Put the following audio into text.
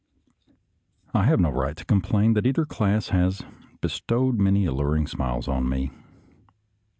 I have no right to complain that either class has bestowed many alluring smiles on me.